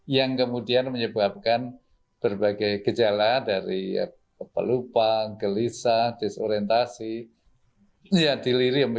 yang kemudian menyebabkan berbagai gejala dari pelupa gelisah disorientasi ya dilirium